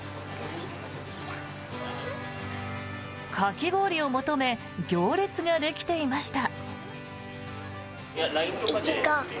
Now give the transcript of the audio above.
かき氷を求め行列ができていました。